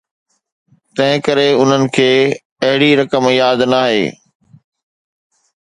تنهن ڪري انهن کي اهڙي رقم ياد ناهي.